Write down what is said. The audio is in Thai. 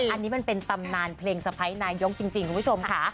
อันนี้มันเป็นปำนานเพลงสไพร์นายงจริงทุกคนค่ะ